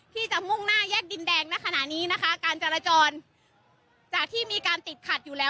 ที่จะมุ่งหน้าแยกดินแดงณขณะนี้นะคะการจราจรจากที่มีการติดขัดอยู่แล้ว